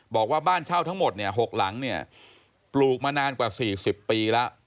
บอกว่าบ้านเช่าทั้งหมด๖หลังเนี่ยปลูกมานานกว่า๔๐ปีแล้ว